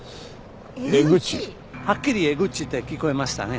はっきりエグチって聞こえましたね。